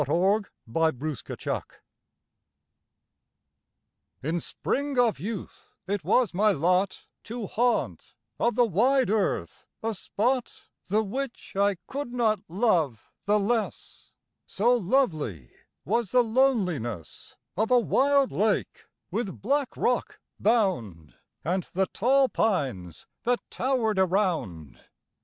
THE LAKE —— TO—— In spring of youth it was my lot To haunt of the wide earth a spot The which I could not love the less— So lovely was the loneliness Of a wild lake, with black rock bound, And the tall pines that tower'd around.